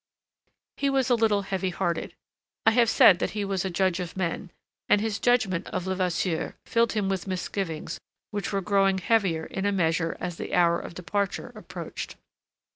He was a little heavy hearted. I have said that he was a judge of men, and his judgment of Levasseur filled him with misgivings which were growing heavier in a measure as the hour of departure approached.